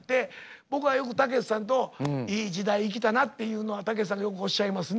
僕がよくたけしさんと「いい時代生きたな」っていうのはたけしさんがよくおっしゃいますね。